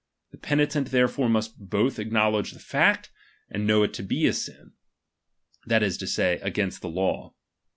The penitent therefore must both ac knowledge the fact, and know it to be a sin, that is to say, against the law.